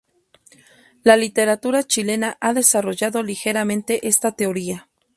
La literatura chilena ha desarrollado ligeramente esta teoría.